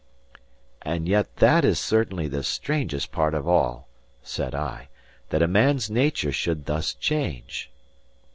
"And yet that is certainly the strangest part of all," said I, "that a man's nature should thus change."